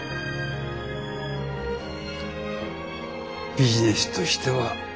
ビジネスとしては甘いね。